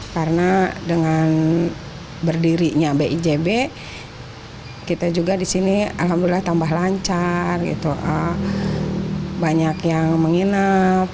karena dengan berdirinya bijb kita juga di sini alhamdulillah tambah lancar banyak yang menginap